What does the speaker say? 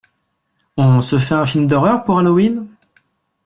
On se fait un film d'horreur pour Halloween?